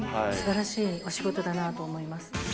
すばらしいお仕事だなと思います。